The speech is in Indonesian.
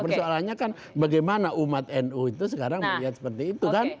persoalannya kan bagaimana umat nu itu sekarang melihat seperti itu kan